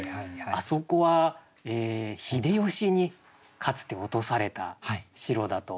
あそこは秀吉にかつて落とされた城だと。